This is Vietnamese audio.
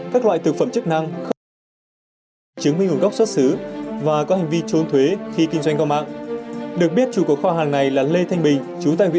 để ngăn chặn cái hành vi trốn thuế hoặc gian lận thuế